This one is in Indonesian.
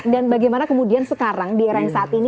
dan bagaimana kemudian sekarang di era yang saat ini